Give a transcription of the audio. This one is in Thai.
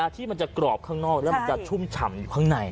ที่มันจะกรอบข้างนอกแล้วมันจะชุ่มฉ่ำอยู่ข้างใน